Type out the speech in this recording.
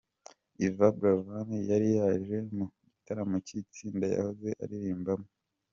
Yvan Buravani yari yaje mu gitaramo cy'itsinda yahoze aririmbamo.